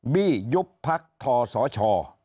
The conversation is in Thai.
บียุพพศช